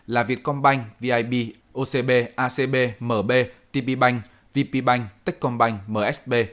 là việtcombank vip ocb acb mb tpbank vpbank ticcombank msb